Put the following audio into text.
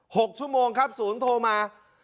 หกชั่วโมงครับศูนย์โทรมา